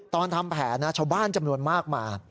ตอนทำแผนชาวบ้านจำนวนมากมา